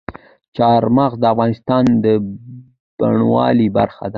چار مغز د افغانستان د بڼوالۍ برخه ده.